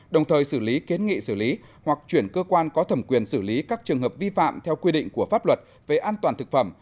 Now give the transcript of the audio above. đồng thời xử lý kiến nghị xử lý hoặc chuyển cơ quan có thẩm quyền xử lý các trường hợp vi phạm theo quy định của pháp luật về an toàn thực phẩm